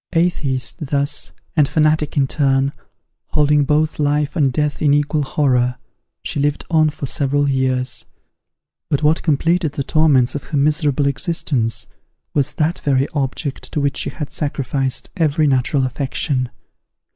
Atheist, thus, and fanatic in turn, holding both life and death in equal horror, she lived on for several years. But what completed the torments of her miserable existence, was that very object to which she had sacrificed every natural affection.